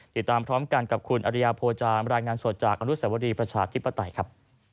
ติดตามพร้อมกันกับคุณอริยาโพจามรายงานสดจากอนุสวรีประชาธิปไตยครับ